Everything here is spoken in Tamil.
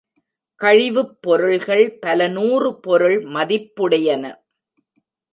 கழிவுப் பொருள்கள் பலநூறு பொருள் மதிப்புடையன.